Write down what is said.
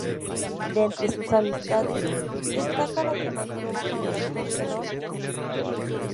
De entre sus amistades, destaca la que mantuvo con el actor Errol Flynn.